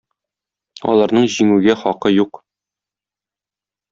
Аларның җиңүгә хакы юк.